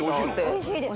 おいしいです。